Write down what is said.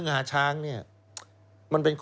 เพราะฉะนั้นคุณมิ้นท์พูดเนี่ยตรงเป้งเลย